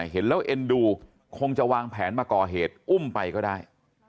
เห็นแล้วเอ็นดูคงจะวางแผนมาก่อเหตุอุ้มไปก็ได้